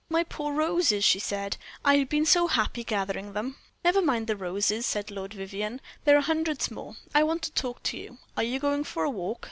"My poor roses," she said; "I had been so happy in gathering them." "Never mind the roses," said Lord Vivianne; "there are hundreds more. I want to talk to you. Are you going for a walk?